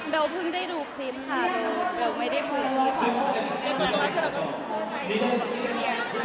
แบลเพิ่งได้ดูคลิปค่ะแบลไม่ได้คุยกับใคร